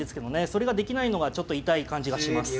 それができないのがちょっと痛い感じがします。